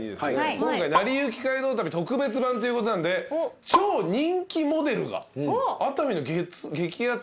今回『なりゆき街道旅』特別版ということなんで超人気モデルが。